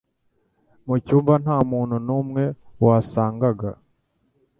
Mu cyumba nta muntu numwe wasangaga.